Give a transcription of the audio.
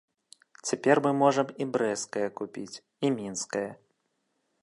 Цяпер мы можам і брэсцкае купіць, і мінскае.